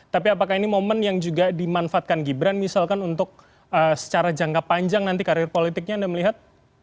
tapi apakah ini momen yang juga dimanfaatkan gibran misalkan untuk secara jangka panjang nanti karir politiknya anda melihat